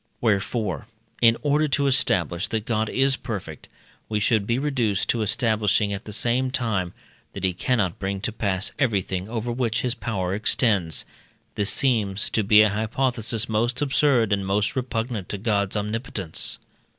Wherefore, in order to establish that God is perfect, we should be reduced to establishing at the same time, that he cannot bring to pass everything over which his power extends; this seems to be a hypothesis most absurd, and most repugnant to God's omnipotence.